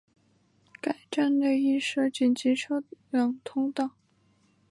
该站内亦设紧急车辆通道。